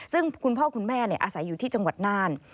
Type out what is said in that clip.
ซึ่งคุณพ่อคุณแม่อาศัยอยู่ที่จังหวัดน่าน